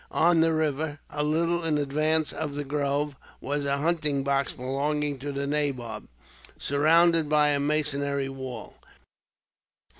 On the river bank, a little in advance of the grove, was a hunting box belonging to the nabob, surrounded by a masonry wall.